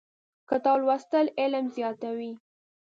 کتاب لوستل علم زیاتوي.